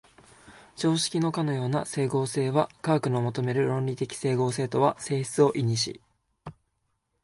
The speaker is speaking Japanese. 常識のかような斉合性は科学の求める論理的斉合性とは性質を異にし、